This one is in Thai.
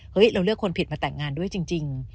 เราเลือกคนผิดมาแต่งงานด้วยจริง